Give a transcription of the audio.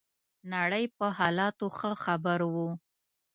نړۍ په حالاتو ښه خبر وو.